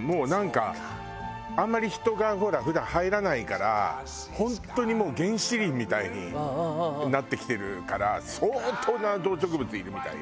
もうなんかあんまり人が普段入らないから本当にもう原始林みたいになってきてるから相当な動植物いるみたいよ。